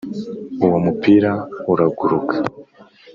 uwo, mupira uraguruka,